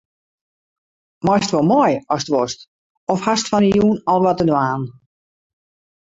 Meist wol mei ast wolst of hast fan 'e jûn al wat te dwaan?